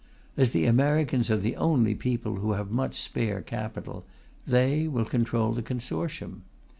As the Americans are the only people who have much spare capital, they will control the consortium.